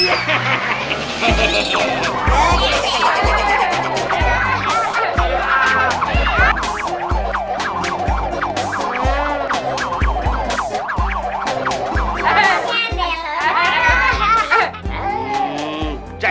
keadaan aku yang muter kamu